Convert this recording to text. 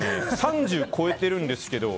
３０超えてるんですけど。